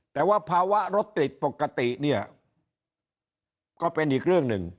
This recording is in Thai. แต่ว่าภาวะรถติดปกติเนี่ยก็เป็นอีกเรื่องหนึ่ง